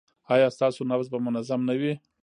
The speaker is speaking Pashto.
ایا ستاسو نبض به منظم نه وي؟